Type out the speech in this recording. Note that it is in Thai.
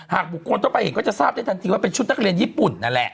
หากบุคลต้องไปเห็นก็จะทันทีทราบว่าเป็นชุดนักเรียนญี่ปุ่นนั่นแหละ